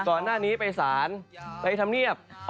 ก่อนหน้านี้ไปสารไปทำเนียบ